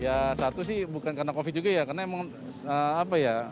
ya satu sih bukan karena covid juga ya karena emang apa ya